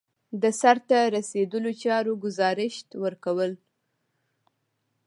د سرته رسیدلو چارو ګزارش ورکول.